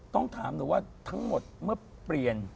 ต้องถามหนูว่าทั้งหมดเมื่อเปลี่ยน